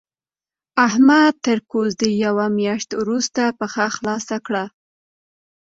احمد تر کوزدې يوه مياشت روسته پښه خلاصه کړه.